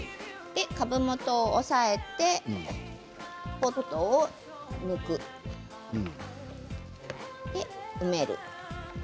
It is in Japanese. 株元を押さえてポットを抜くで、埋める。